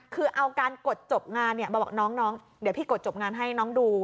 คือเอาการกดจบงานเนี่ยมาบอกน้องเดี๋ยวพี่กดจบงานให้น้องดู